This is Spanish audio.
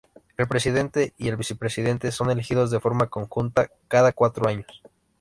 El presidente y el vicepresidente son elegidos, de forma conjunta, cada cuatro años.